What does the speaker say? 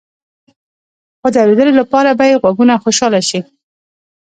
خو د اوریدلو لپاره به يې غوږونه خوشحاله شي.